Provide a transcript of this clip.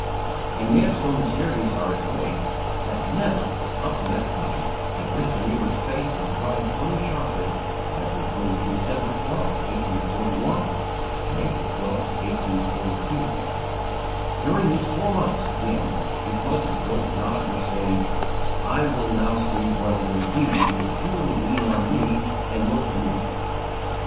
And yet, so mysterious are His ways, that never, up to that time, had Mr. Muller's faith been tried so sharply as between December 12, 1841, and April 12, 1842. During these four months, again, it was as though God were saying, "I will now see whether indeed you truly lean on Me and look to Me."